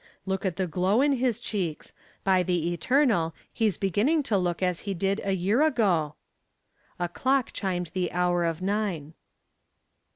"Look at the glow in his cheeks! By the eternal, he's beginning to look as he did a year ago." A clock chimed the hour of nine.